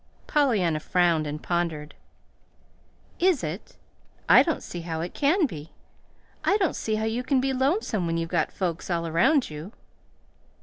Pollyanna frowned and pondered. "Is it? I don't see how it can be. I don't see how you can be lonesome when you've got folks all around you.